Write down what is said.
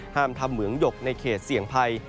ห้ามทำเหมืองหยกในเขตเสี่ยงภัย